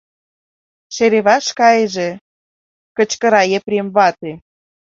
Шереваш кайыже! — кычкыра Епрем вате.